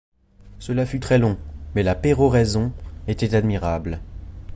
Cela fut très long, mais la péroraison était admirable.